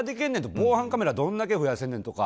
防犯カメラどれだけ増やせんねんとか